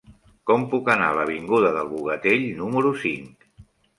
Com puc anar a l'avinguda del Bogatell número cinc?